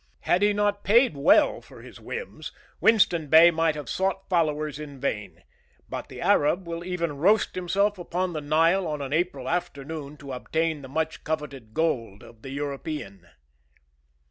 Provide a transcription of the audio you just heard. Had he not paid well for his whims, Winston Bey might have sought followers in vain; but the Arab will even roast himself upon the Nile on an April afternoon to obtain the much coveted gold of the European.